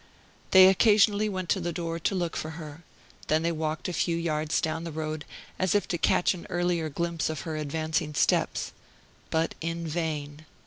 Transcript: They occasionally went to the door to look for her; then they walked a few yards down the road, as if to catch an earlier glimpse of her advancing steps. But in vain.